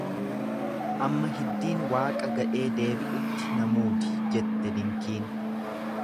Amma hiddiin waaqa ga'ee deebi'utti na muudi jette dinkiin.